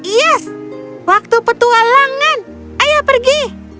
yes waktu petualangan ayo pergi